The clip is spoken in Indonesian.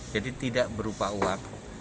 jadi tidak berupa uang